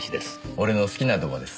俺の好きな童話です。